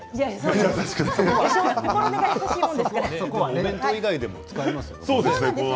お弁当以外でも使えますね。